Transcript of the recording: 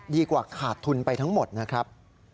ดีกว่าขาดทุนไปทั้งหมดนะครับ